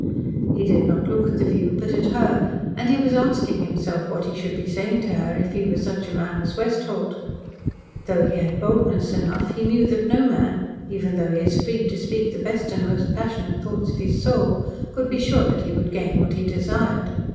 He did not look at the view, but at her, and he was asking himself what he should be saying to her if he were such a man as Westholt. Though he had boldness enough, he knew that no man even though he is free to speak the best and most passionate thoughts of his soul could be sure that he would gain what he desired.